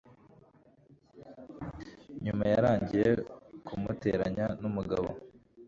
nyuma yaragiye kumuteranya n'umugabo